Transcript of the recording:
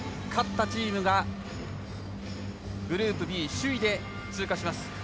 勝ったチームがグループＢ首位で通過します。